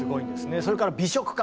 それから美食家